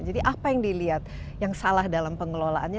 jadi apa yang dilihat yang salah dalam pengelolaannya